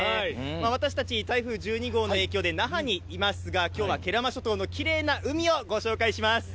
私たち台風１２号の影響で那覇にいますが今日は慶良間諸島のきれいな海をご紹介します。